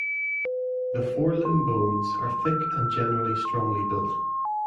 The forelimb bones are thick and generally strongly built.